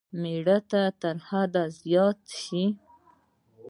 مېړانه که تر حد زيات شي.